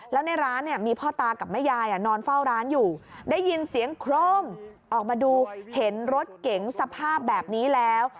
แล้วในร้านเนี่ยมีพ่อตากับแม่ยายนอนเฝ้าร้านอยู่ได้ยินเสียงโครมออกมาดูเห็นรถเก๋งสภาพแบบนี้แล้ว